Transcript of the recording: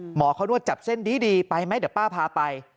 หมอเขานวดจับเส้นดีไปไหมเดี๋ยวป้าพาไป